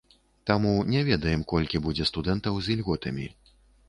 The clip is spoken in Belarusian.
Таму не ведаем, колькі будзе студэнтаў з ільготамі.